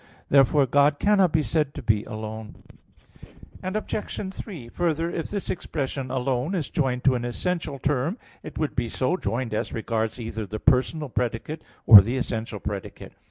Therefore God cannot be said to be alone. Obj. 3: Further if this expression "alone" is joined to an essential term, it would be so joined as regards either the personal predicate or the essential predicate.